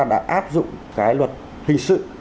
đã áp dụng cái luật hình sự